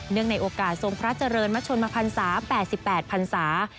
ในโอกาสทรงพระเจริญมชนมพันศา๘๘พันศา